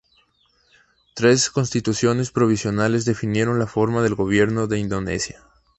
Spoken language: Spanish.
Tres constituciones provisionales definieron la forma del gobierno de Indonesia.